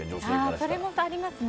それもありますね。